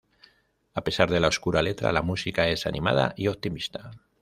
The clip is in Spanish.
A pesar de la oscura letra, la música es animada y optimista.